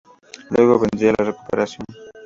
Luego vendría la recuperación.